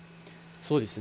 そうですね。